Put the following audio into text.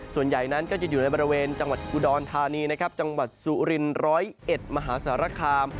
ส่วนใหญ่นั้นก็จะอยู่ในบริเวณจังหวัดยุดรธานีจังหวัดสุรินร้อยเอ็ดมหาสารคาม